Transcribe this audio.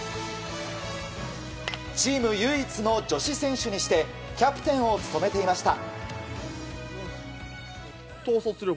チーム唯一の女子選手にしてキャプテンを務めていました。